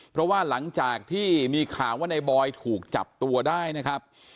เพราะว่าหลังจากที่มีข่าวว่าในบอยถูกจับตัวได้นะครับ